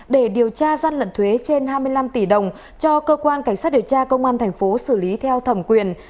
để điều tra gian lận thuế trên hai mươi năm tỷ đồng cho cơ quan cảnh sát điều tra công an thành phố xử lý theo thẩm quyền